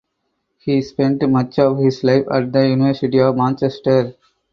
He spent much of his life at the University of Manchester.